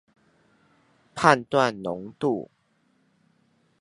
判斷濃度